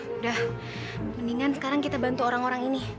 sudah mendingan sekarang kita bantu orang orang ini